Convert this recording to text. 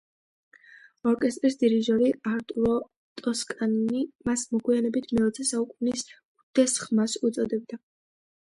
ორკესტრის დირიჟორი არტურო ტოსკანინი მას მოგვიანებით „მეოცე საუკუნის უდიდეს ხმას“ უწოდებდა.